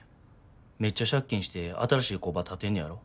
めっちゃ借金して新しい工場建てんねやろ？